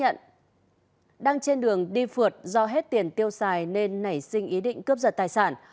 khai nhận đang trên đường đi phượt do hết tiền tiêu xài nên nảy sinh ý định cướp giật tài sản